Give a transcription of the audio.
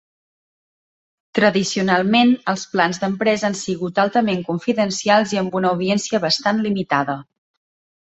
Tradicionalment, els plans d'empresa han sigut altament confidencials i amb una audiència bastant limitada.